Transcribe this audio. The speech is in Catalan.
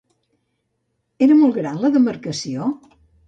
Era molt gran la demarcació?